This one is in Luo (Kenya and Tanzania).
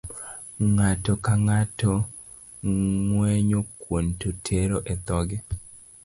Ng'ato ka ng'ato ngwenyo kuon to tero e dhoge.